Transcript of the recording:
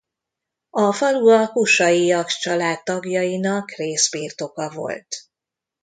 A falu a Kusalyi Jakcs család tagjainak részbirtoka volt.